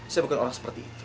saya bukan orang seperti itu